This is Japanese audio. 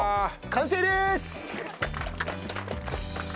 完成です！